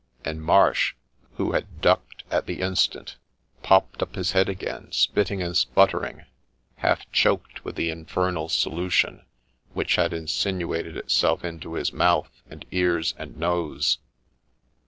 — and Marsh, who had ' ducked ' at the instant, popped up his head again, spitting and sputtering, half choked with the infernal solution, which had insinuated itself into his mouth, and ears, and nose.